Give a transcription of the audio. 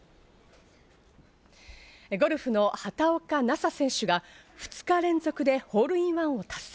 ゴルフの畑岡奈紗選手が２日連続でホールインワンを達成。